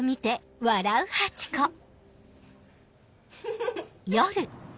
フフフ。